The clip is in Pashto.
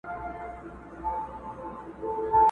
تیاري رخصتوم دي رباتونه رڼاکیږي؛